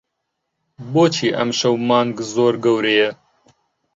بۆچی ئەمشەو مانگ زۆر گەورەیە؟